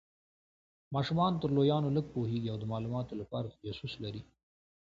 ماشومان تر لویانو لږ پوهیږي او د مالوماتو لپاره تجسس لري.